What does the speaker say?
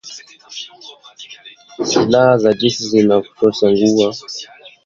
Silaha za jeshi zinashukiwa kuangukia kwenye mikono ya kundi lenye sifa mbaya la Ushirika kwa Maendeleo ya Kongo.